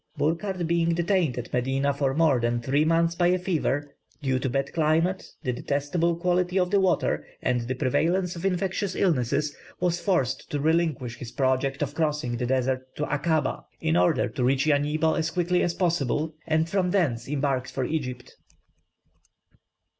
Burckhardt being detained at Medina for more than three months by a fever, due to bad climate, the detestable quality of the water, and the prevalence of infectious illnesses, was forced to relinquish his project of crossing the desert to Akabah, in order to reach Yanibo as quickly as possible, and from thence embark for Egypt.